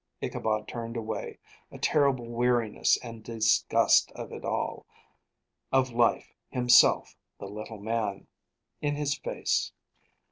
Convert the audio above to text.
Ichabod turned away; a terrible weariness and disgust of it all of life, himself, the little man, in his face.